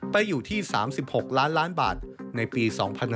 ไปอยู่ที่๓๖ล้านล้านบาทในปี๒๕๕๙